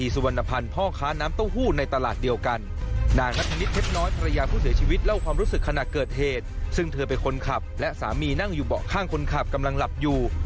สามีนั่งอยู่เบาะข้างคนขาบกำลังหลับอยู่